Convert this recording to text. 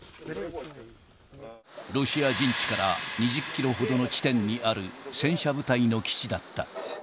ロシア陣地から２０キロほどの地点にある、戦車部隊の基地だった。